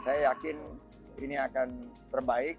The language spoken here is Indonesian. saya yakin ini akan terbaik